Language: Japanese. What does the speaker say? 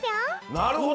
なるほど！